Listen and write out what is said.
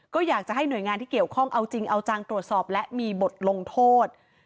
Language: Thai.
ก็อยากจะให้หน่วยงานที่เกี่ยวข้องเอาจริงเอาจังตรวจสอบและมีบทลงโทษ